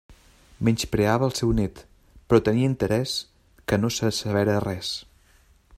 Menyspreava el seu nét, però tenia interès que no se sabera res.